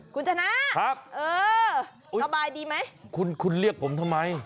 คุณชนะครับเออสบายดีไหมคุณคุณเรียกผมทำไม